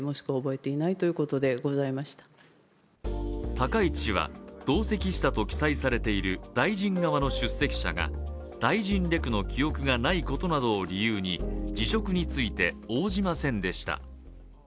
高市氏は同席したと記載されている大臣側の出席者が、大臣レクの記憶がないことなどを理由に辞職について応じませんでした。